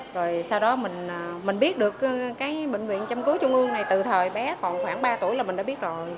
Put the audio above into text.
rồi sau đó mình biết được cái bệnh viện châm cứu trung ương này từ thời bé còn khoảng ba tuổi là mình đã biết rồi